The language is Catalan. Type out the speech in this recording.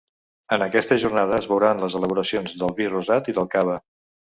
En aquesta jornada es veuran les elaboracions del vi rosat i del cava.